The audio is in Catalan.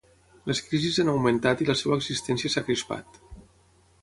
Les crisis han augmentat i la seva existència s'ha crispat.